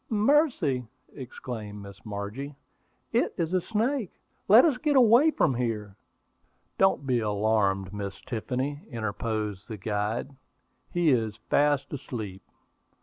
"Mercy!" exclaimed Miss Margie. "It is a snake! Let us get away from here!" "Don't be alarmed, Miss Tiffany," interposed the guide. "He is fast asleep."